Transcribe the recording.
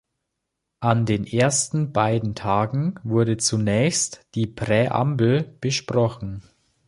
An den ersten beiden Tagen wurde zunächst die Präambel besprochen.